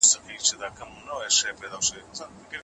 څېړونکو څرګنده کړه چی د نفوس جوړښت مهم دی.